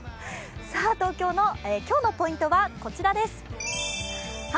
東京の今日のポイントはこちらです。